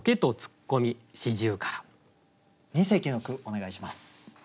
二席の句お願いします。